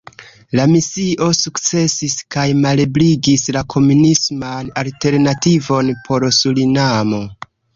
La misio sukcesis kaj malebligis la komunisman alternativon por Surinamo.